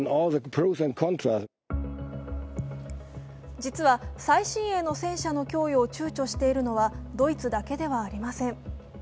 実は最新鋭の戦車の供与をちゅうちょしているのはドイツだけではありません。